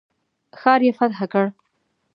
ښار یې فتح کړ.